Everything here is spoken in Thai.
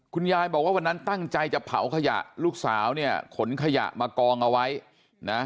คุณยายบอกว่าวันนั้นตั้งใจจะเผาขยะลูกสาวเนี่ยขนขยะมากองเอาไว้นะ